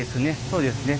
そうですね。